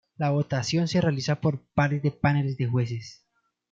La votación se realiza por pares de paneles de jueces.